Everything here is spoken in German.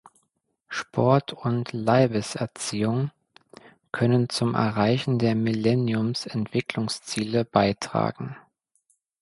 Sport und Leibeserziehung können zum Erreichen der Millenniums-Entwicklungsziele beitragen.